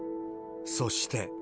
そして。